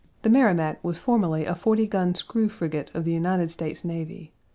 The Merrimac was formerly a 40 gun screw frigate of the United States Navy.